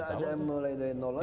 tidak ada yang mulai dari nol lagi